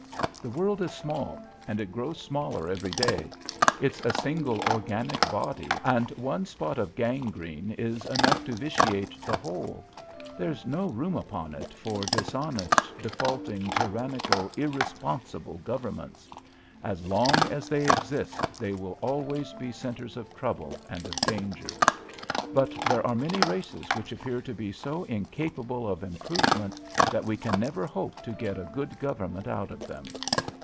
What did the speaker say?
"The world is small, and it grows smaller every day. It's a single organic body, and one spot of gangrene is enough to vitiate the whole. There's no room upon it for dishonest, defaulting, tyrannical, irresponsible Governments. As long as they exist they will always be centres of trouble and of danger. But there are many races which appear to be so incapable of improvement that we can never hope to get a good Government out of them.